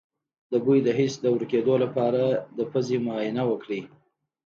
د بوی د حس د ورکیدو لپاره د پوزې معاینه وکړئ